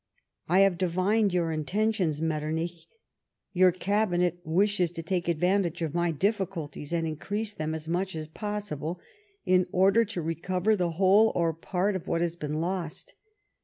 " I have divined your intentions, Metternich : your Cabinet wishes to take advantage of my difliculties, and increase them as much as possible, in order to recover the whole or part of what has been lost.